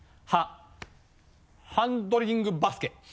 ハンドリングバスケ。